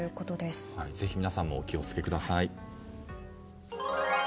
ぜひ皆さんもお気を付けください。